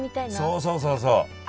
そうそうそうそう。